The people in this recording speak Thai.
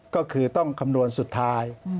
ก็คือต้องคำนวณสุดท้าย